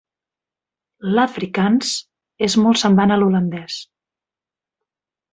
L'afrikaans és molt semblant a l'holandès.